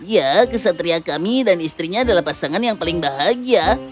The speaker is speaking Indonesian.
ya kesatria kami dan istrinya adalah pasangan yang paling bahagia